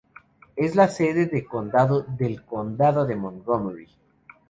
Es la sede de condado del condado de Montgomery.